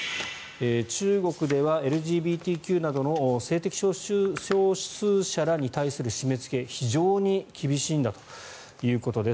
中国ではＬＧＢＴＱなどの性的少数者らに対する締めつけが非常に厳しいんだということです。